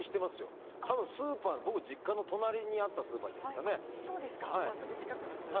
実家の隣にあったスーパーですかね？